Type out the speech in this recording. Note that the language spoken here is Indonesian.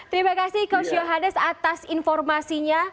terima kasih coach yohanes atas informasinya